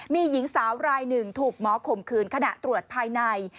มีหญิงสาวรายหนึ่งถูกหมอข่มขืนขณะตรวจภายใน